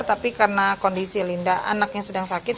tapi karena kondisi linda anaknya sedang sakit